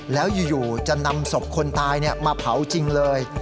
แล้วอยู่จะนำศพคนตายมาเผาจริงเลย